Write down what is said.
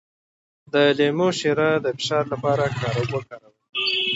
د لیمو شیره د فشار لپاره وکاروئ